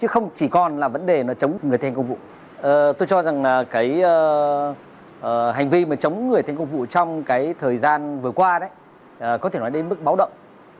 không chỉ còn là vấn đề chống người thi hành công vụ tôi cho rằng hành vi chống người thi hành công vụ trong thời gian vừa qua có thể nói đến mức báo động